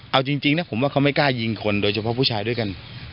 เอาจริงนะผมว่าเขาไม่กล้ายิงคนโดยเฉพาะผู้ชายด้วยกัน